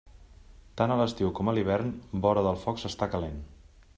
Tant a l'estiu com a l'hivern, vora del foc s'està calent.